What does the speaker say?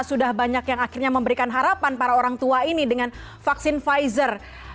sudah banyak yang akhirnya memberikan harapan para orang tua ini dengan vaksin pfizer